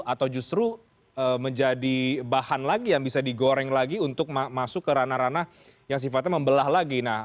atau justru menjadi bahan lagi yang bisa digoreng lagi untuk masuk ke ranah ranah yang sifatnya membelah lagi